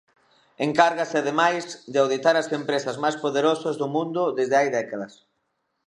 Encárgase, ademais, de auditar as empresas máis poderosas do mundo desde hai décadas.